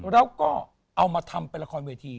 แล้วก็เอามาทำเป็นละครเวที